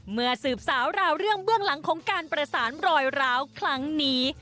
สืบสาวราวเรื่องเบื้องหลังของการประสานรอยร้าวครั้งนี้